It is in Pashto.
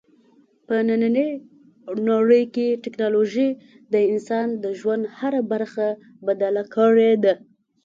په نننۍ نړۍ کې ټیکنالوژي د انسان د ژوند هره برخه بدله کړې ده.